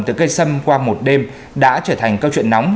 từ cây sâm qua một đêm đã trở thành câu chuyện nóng